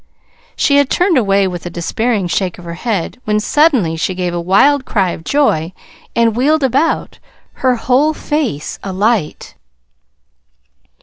She had turned away with a despairing shake of her head, when suddenly she gave a wild cry of joy and wheeled about, her whole face alight.